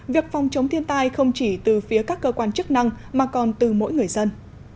việc phòng chống thiên tai không chỉ từ phía các cơ quan chức năng mà còn từ mỗi người dân